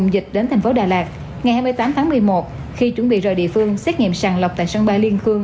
dịch đến thành phố đà lạt ngày hai mươi tám tháng một mươi một khi chuẩn bị rời địa phương xét nghiệm sàng lọc tại sân bay liên khương